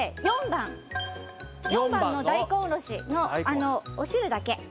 ４番の大根おろしのあのお汁だけ。